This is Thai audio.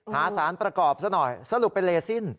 หาสารประกอบซะหน่อยสรุปเป็นเลสิ้น